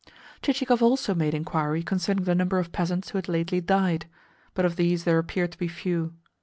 Chichikov also made inquiry concerning the number of peasants who had lately died: but of these there appeared to be few.